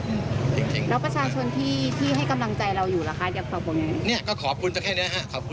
แล้วประชาชนที่ให้กำลังใจเราอยู่ล่ะคะ